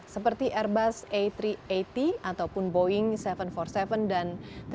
seperti airbus a tiga ratus delapan puluh ataupun boeing tujuh ratus empat puluh tujuh dan tujuh ratus tujuh puluh tujuh